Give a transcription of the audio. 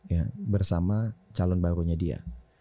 ya bersama calon barunya dia